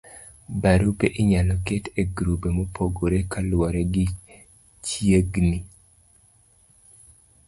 barupe inyalo ket e grube mopogore kaluwore gi chiegni